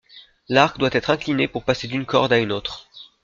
L' arc doit être incliné pour passer d'une corde à une autre.